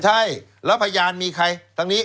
ใช่แล้วพยานมีใครทั้งนี้